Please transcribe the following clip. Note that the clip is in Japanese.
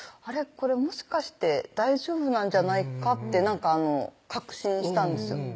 これもしかして大丈夫なんじゃないかって確信したんですよ